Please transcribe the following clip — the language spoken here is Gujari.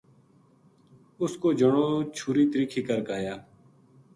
اس کو جنو چھری تِرِکھی کر کے ایا